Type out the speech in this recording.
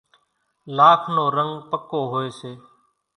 لاک نو رنڳ پڪو هوئيَ سي۔